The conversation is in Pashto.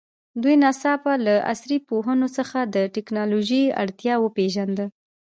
دوی ناڅاپه له عصري پوهنو څخه د تکنالوژي اړتیا وپېژانده.